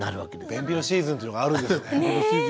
便秘のシーズンというのがあるんですね。